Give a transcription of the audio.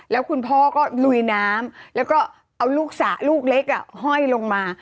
แล้วคุณพ่อก็ลุยน้ำแล้วก็เอาลูกสระลูกเล็กห้อยลงมา